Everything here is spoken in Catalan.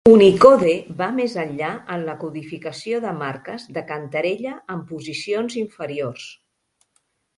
Unicode va més enllà en la codificació de marques de cantarella en posicions inferiors.